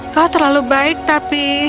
kau terlalu baik tapi